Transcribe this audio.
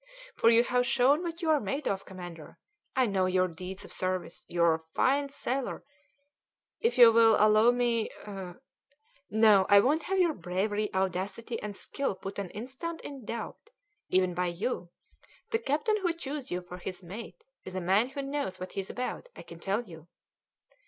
"For you have shown what you are made of, commander; I know your deeds of service. You are a fine sailor!" "If you will allow me " "No, I won't have your bravery, audacity, and skill put an instant in doubt, even by you! The captain who chose you for his mate is a man who knows what he's about, I can tell you."